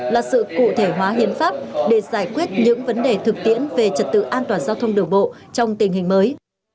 là sự cụ thể hóa hiến pháp để giải quyết những vấn đề thực tiễn về trật tự an toàn giao thông đường bộ trong tình hình mới